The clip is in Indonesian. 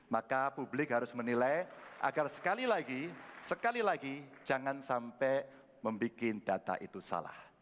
maka publik harus menilai agar sekali lagi sekali lagi jangan sampai membuat data itu salah